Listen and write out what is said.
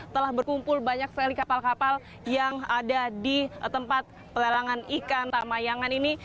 telah berkumpul banyak sekali kapal kapal yang ada di tempat pelelangan ikan tamayangan ini